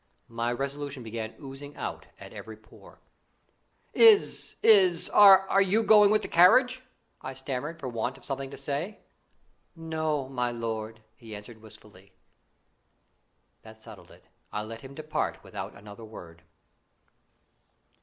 My resolution began oozing out at every pore. "Is is are you going with the carriage?" I stammered, for want of something to say. "No, my lord," he answered wistfully. That settled it. I let him depart without another word.